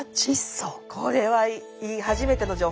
これはいい初めての情報。